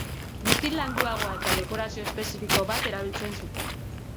Buztin landuagoa eta dekorazio espezifiko bat erabiltzen zuten.